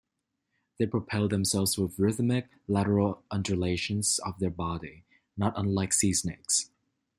They propel themselves with rhythmic, lateral undulations of their bodies, not unlike sea snakes.